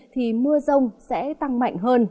thì mưa rông sẽ tăng mạnh hơn